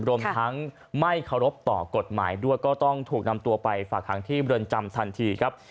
รวมทั้งไม่เคารพต่อกฎหมายด้วยก็ต้องถูกนำตัวไปฝากหางที่เมืองจำทันทีครับ